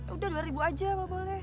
udah dua ribu aja mbak boleh